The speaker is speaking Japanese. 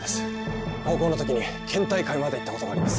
高校のときに県大会まで行ったことがあります。